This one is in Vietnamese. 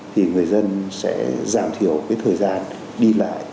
thì người dân sẽ giảm thiểu cái thời gian đi lại